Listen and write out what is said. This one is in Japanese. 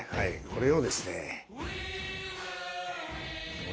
これをですねえ。